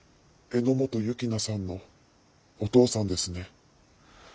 榎本雪菜さんのお父さんですね。